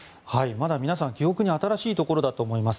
まだ皆さん記憶に新しいところだと思います。